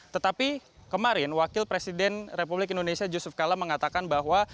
tetapi kemarin wakil presiden republik indonesia yusuf kala mengatakan bahwa